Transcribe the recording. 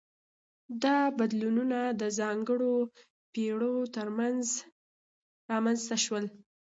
دا بدلونونه د ځانګړو پیړیو ترمنځ رامنځته شول.